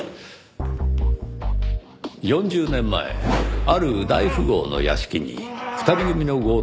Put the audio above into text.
４０年前ある大富豪の屋敷に２人組の強盗が押し入り